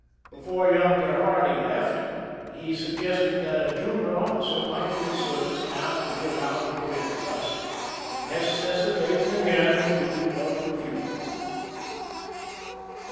Be ) fore young Grherardi left, he suggested that a junior officer might be of service and asked to be allowed to go in witli us, necessitating again the duty of refusal.